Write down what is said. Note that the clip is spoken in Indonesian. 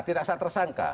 tidak bisa tersangka